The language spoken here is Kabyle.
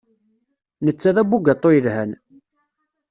Netta d abugaṭu yelhan.